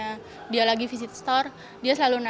misalnya dia lagi visit store dia selalu nanya